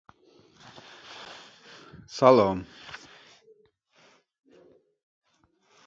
Выразительно прочти это предложение из семи слов.